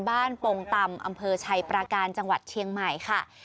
ปงตำอำเภอชัยประการจังหวัดเชียงใหม่ค่ะ